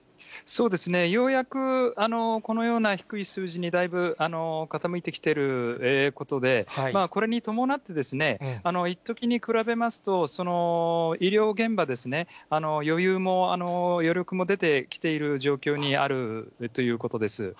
ようやくこのような低い数字に、だいぶ傾いてきていることで、これに伴って、いっときに比べますと、医療現場、余裕も余力も出てきている状況にあるということです。